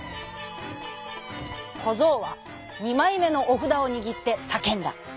こぞうはにまいめのおふだをにぎってさけんだ。